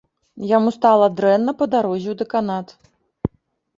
Яму стала дрэнна па дарозе ў дэканат.